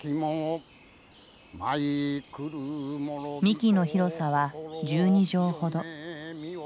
幹の広さは１２畳ほど。